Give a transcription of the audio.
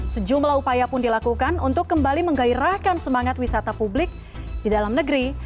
sejumlah upaya pun dilakukan untuk kembali menggairahkan semangat wisata publik di dalam negeri